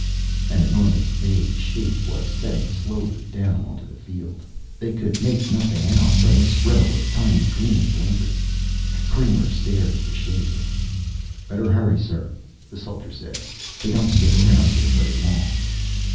An enormous vague shape was setting slowly down onto the field. They could make nothing out but its row of tiny green blinkers. Kramer stared at the shape. "Better hurry, sir," the soldiers said. "They don't stick around here very long."